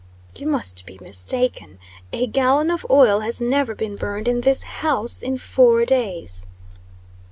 "You must be mistaken. A gallon of oil has never been burned in this house in four days."